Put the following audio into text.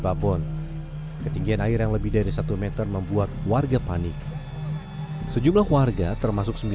babon ketinggian air yang lebih dari satu meter membuat warga panik sejumlah warga termasuk